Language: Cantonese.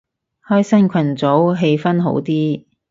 開新群組氣氛好啲